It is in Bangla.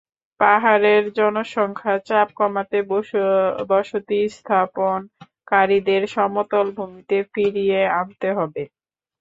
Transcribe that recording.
পাহাড়ের জনসংখ্যার চাপ কমাতে বসতি স্থাপনকারীদের সমতল ভূমিতে ফিরিয়ে আনতে হবে।